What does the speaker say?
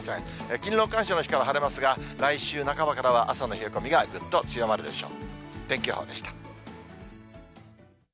勤労感謝の日から晴れますが、来週半ばからは朝の冷え込みがぐっと強まるでしょう。